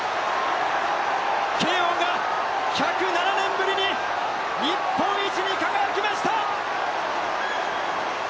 慶応が１０７年ぶりに日本一に輝きました！